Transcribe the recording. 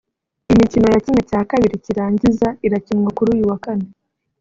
Imikino ya ½ cy’irangiza irakinwa kuri uyu wa kane